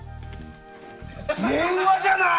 電話じゃない？